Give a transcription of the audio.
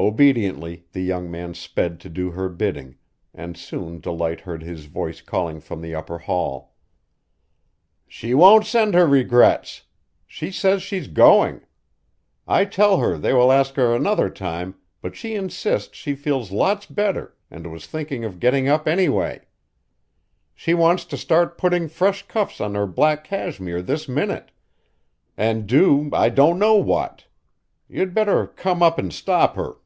Obediently the young man sped to do her bidding, and soon Delight heard his voice calling from the upper hall. "She won't send her regrets. She says she's going. I tell her they will ask her another time, but she insists she feels lots better and was thinking of getting up, anyway. She wants to start putting fresh cuffs on her black cashmere this minute, and do I don't know what. You'd better come up and stop her."